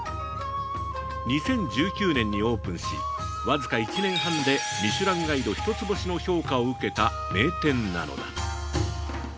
２０１９年にオープンし、僅か１年半でミシュランガイド一つ星の評価を受けた名店なのだ。